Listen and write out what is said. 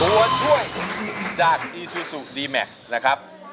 ตัวช่วยจากอีซูซูดีแม็กซ์นะครับ